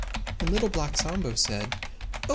And Little Black Sambo said, "Oh!